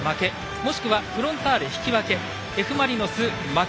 もしくはフロンターレ引き分けＦ・マリノス負け。